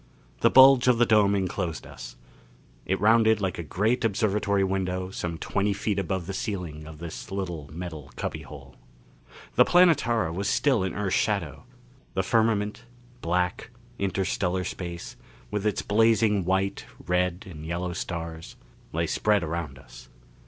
The bulge of the dome enclosed us; it rounded like a great observatory window some twenty feet above the ceiling of this little metal cubbyhole. The Planetara was still in Earth's shadow. The firmament black, interstellar space with its blazing white, red and yellow stars lay spread around us.